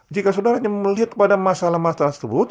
jika saudaranya melihat kepada masalah masalah tersebut